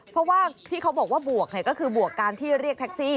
เพราะว่าที่เขาบอกว่าบวกก็คือบวกการที่เรียกแท็กซี่